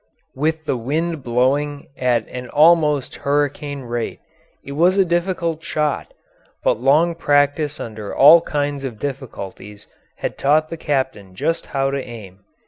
With the wind blowing at an almost hurricane rate, it was a difficult shot, but long practice under all kinds of difficulties had taught the captain just how to aim.